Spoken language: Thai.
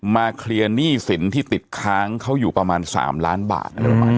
มาเคลียร์หนี้สินที่ติดค้างเขาอยู่ประมาณ๓ล้านบาท